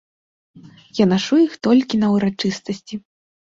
Я нашу іх толькі на ўрачыстасці.